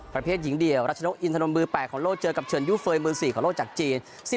ประเภทหญิงเดี่ยวรัชนกอินทนนท์มือ๘ของโลกเจอกับเชิญยูเฟย์มือ๔ของโลกจากจีน